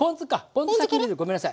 ポン酢先に入れるごめんなさい。